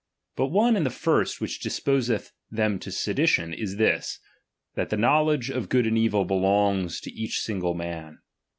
But one and the first which disposetb them to sedition, is this, that the know ledge of good and evil belongs to each single man.